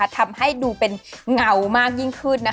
ทำให้ดูเป็นเงามากยิ่งขึ้น